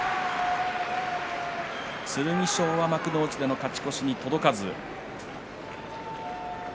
剣翔は幕内でも勝ち越しに届かず。